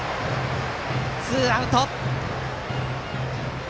ツーアウト。